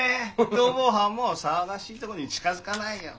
逃亡犯も騒がしいところに近づかないよ。